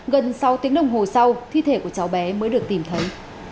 gần sáu tiếng đồng hồ sau thi thể của cháu bé mới được tìm thấy